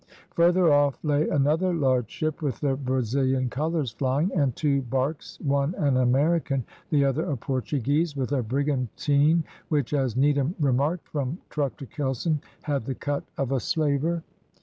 Further off lay another large ship with the Brazilian colours flying, and two barques, one an American, the other a Portuguese, with a brigantine, which, as Needham remarked, from truck to kelson had the cut of a slaver.